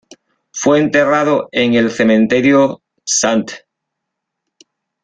Fue enterrado en el Cementerio St.